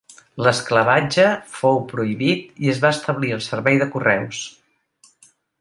L'esclavatge fou prohibit i es va establir el servei de correus.